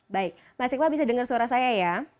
baik mas iqbal bisa dengar suara saya ya